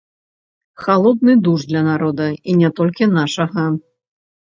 Халодны душ для народа і не толькі нашага.